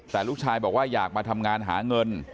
แต่ลูกชายบอกว่าอยากมาทำงานหาเงิน